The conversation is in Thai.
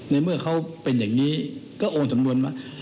ในเมื่อเขาเป็นอย่างนี้ก็โอนสำนวนมา